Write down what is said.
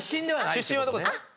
出身はどこですか？